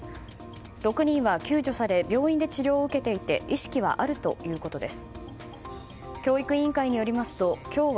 ６人は救助され病院で治療を受けていて意識はあるということです。